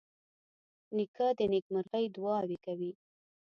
نیکه د نیکمرغۍ دعاوې کوي.